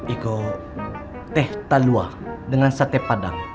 eko teh talua dengan sate padang